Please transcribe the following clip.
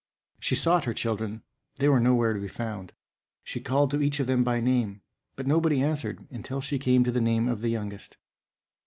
She sought her children, they were nowhere to be found. She called to each of them by name, but nobody answered, until she came to the name of the youngest.